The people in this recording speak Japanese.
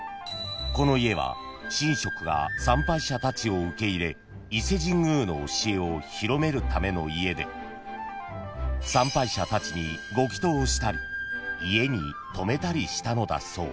［この家は神職が参拝者たちを受け入れ伊勢神宮の教えを広めるための家で参拝者たちにご祈祷をしたり家に泊めたりしたのだそう］